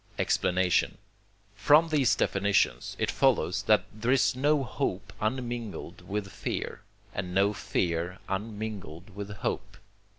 Explanation From these definitions it follows, that there is no hope unmingled with fear, and no fear unmingled with hope.